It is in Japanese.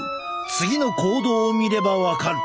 次の行動を見れば分かる。